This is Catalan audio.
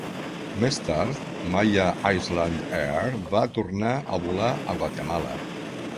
Més tard, Maya Island Air va tornar a volar a Guatemala.